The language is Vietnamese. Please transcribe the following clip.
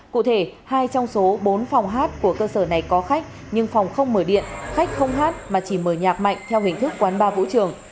cụ thể hai trong số bốn phòng hát của cơ sở này có khách nhưng phòng không mở điện khách không hát mà chỉ mở nhạc mạnh theo hình thức quán bar vũ trường